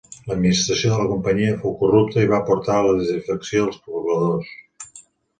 L'administració de la companyia fou corrupta i va portar a la desafecció dels pobladors.